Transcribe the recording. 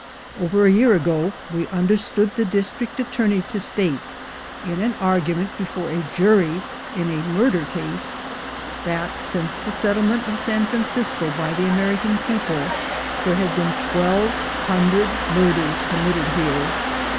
Over a year ago, we understood the district attorney to state, in an argument before a jury in a THE REASON FOR LYNCH LAW 225 murder case, that, since the settlement of San Fran cisco by the American people, there had been twelve hundred murders committed here.